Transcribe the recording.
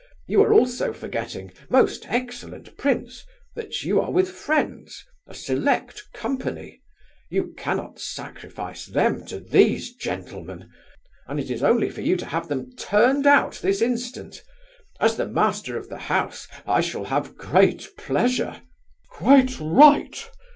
You are also forgetting, most excellent prince, that you are with friends, a select company; you cannot sacrifice them to these gentlemen, and it is only for you to have them turned out this instant. As the master of the house I shall have great pleasure ...." "Quite right!"